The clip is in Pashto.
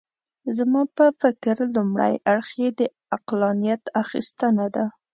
زما په فکر لومړی اړخ یې د عقلانیت اخیستنه ده.